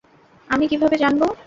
আমি কিভাবে জানবো?